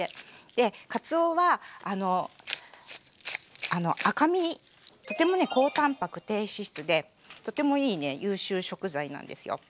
でかつおは赤身とても高たんぱく低脂質でとてもいいね優秀食材なんですよ。